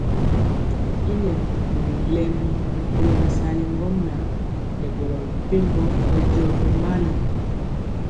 Yi nɛ bubuli lemi rikolo bɛsali ŋgomnaŋ nɛ boro mepempɔ bɛndiɔ tomali.